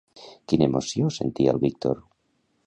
Quina emoció sentia el Víctor?